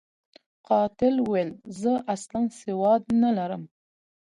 قاتل ویل، زه اصلاً سواد نلرم.